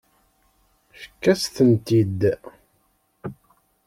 Fkan-asen-tent-id.